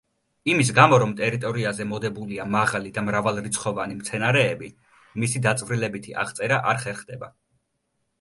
იმის გამო, რომ ტერიტორიაზე მოდებულია მაღალი და მრავალრიცხოვანი მცენარეები, მისი დაწვრილებითი აღწერა არ ხერხდება.